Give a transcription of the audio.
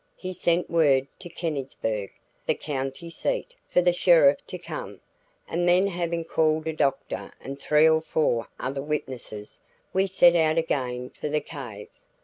He sent word to Kennisburg, the county seat, for the sheriff to come; and then having called a doctor and three or four other witnesses, we set out again for the cave.